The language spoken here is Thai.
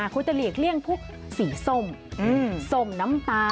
คุณจะหลีกเลี่ยงพวกสีส้มส้มน้ำตา